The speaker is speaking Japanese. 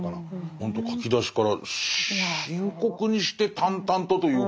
ほんと書き出しから深刻にして淡々とというか。